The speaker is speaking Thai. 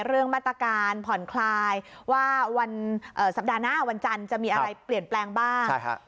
เรื่องมาตรการผ่อนคลายว่าวันสัปดาห์หน้าวันจันทร์จะมีอะไรเปลี่ยนแปลงบ้าง